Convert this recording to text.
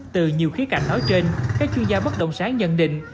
từ nhiều khía cạnh nói trên các chuyên gia bất động sản nhận định